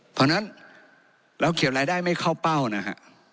เพราะฉะนั้นเราเขียนรายได้ไม่เข้าเป้านะฮะ